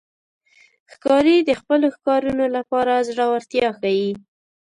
ښکاري د خپلو ښکارونو لپاره زړورتیا ښيي.